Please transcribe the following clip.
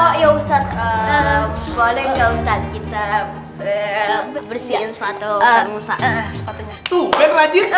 boleh gak ustaz kita bersihin sepatu